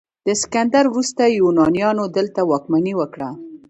د اسکندر وروسته یونانیانو دلته واکمني وکړه